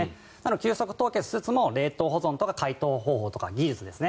急速凍結しつつも凍結技術とか解凍方法とか技術ですね